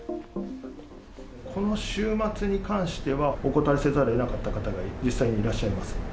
この週末に関しては、お断りせざるをえなかった方が実際にいらっしゃいます。